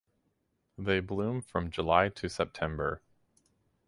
They bloom from July to September.